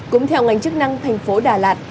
cũng theo ngành chức năng thành phố đà lạt